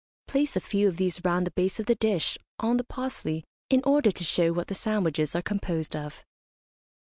Place a few of these round the base of the dish, on the parsley, in order to show what the sandwiches are composed of.